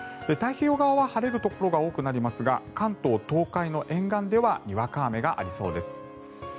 太平洋側は晴れるところが多くなりますが関東、東海の沿岸ではにわか雨がありそうです。